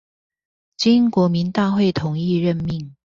經國民大會同意任命